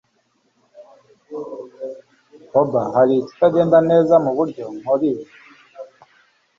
Hoba hari ikitagenda neza muburyo nkora ibi?